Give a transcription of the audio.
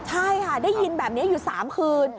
ใช่ค่ะได้ยินแบบนี้อยู่๓คืน